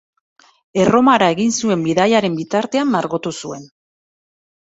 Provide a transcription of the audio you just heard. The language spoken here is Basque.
Erromara egin zuen bidaiaren bitartean margotu zuen.